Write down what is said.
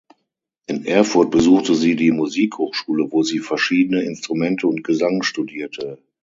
In Erfurt besuchte sie die Musikhochschule, wo sie verschiedene Instrumente und Gesang studierte.